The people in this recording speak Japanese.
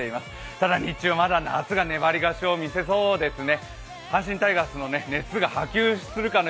ただ日中はまだ夏が粘り勝ちを見せそうですね